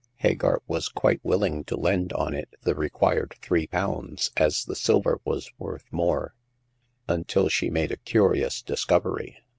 Hagar was quite willing to lend on it the required three pounds, as the silver was worth more, until she made a curious discovery.